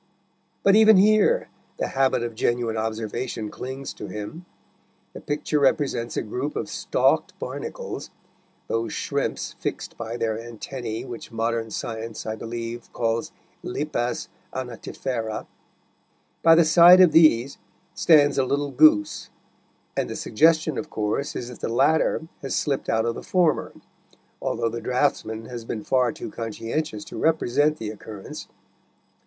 But even here the habit of genuine observation clings to him. The picture represents a group of stalked barnacles those shrimps fixed by their antennae, which modern science, I believe, calls Lepas anatifera; by the side of these stands a little goose, and the suggestion of course is that the latter has slipped out of the former, although the draughtsman has been far too conscientious to represent the occurrence.